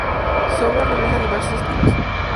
Su obra refleja diversos estilos.